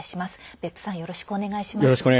別府さん、よろしくお願いします。